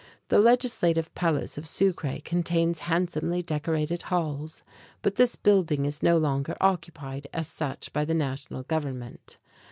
The legislative palace of Sucre contains handsomely decorated halls; but this building is no longer occupied as such by the national government.